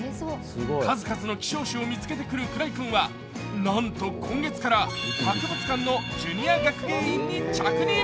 数々の希少種を見つけてくる鞍井君は、なんと今月から博物館のジュニア学芸員に着任。